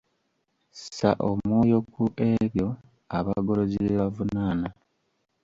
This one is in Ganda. Ssa omwoyo ku ebyo abagolozi bye bavunaana.